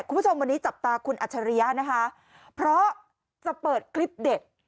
คุณผู้ชมวันนี้จับตาคุณอัจฉริยะนะคะเพราะจะเปิดคลิปเด็ด